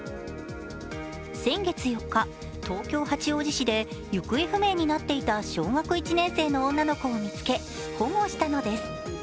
先月４日、東京・八王子市で小学１年生の女の子を見つけ、保護したのです。